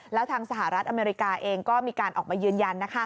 แล้วทางสหรัฐอเมริกาเองก็มีการออกมายืนยัน